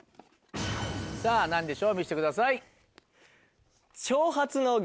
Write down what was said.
さぁ何でしょう見せてください。